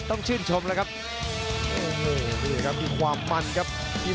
ต้องชื่นชมแล้วครับโอ้โหนี่ครับมีความมันครับ